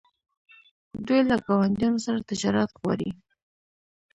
دوی له ګاونډیانو سره تجارت غواړي.